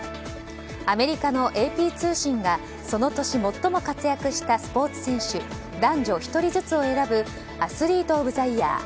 アメリカのＡＰ通信がその年、最も活躍したスポーツ選手男女１人ずつを選ぶアスリート・オブ・ザ・イヤー。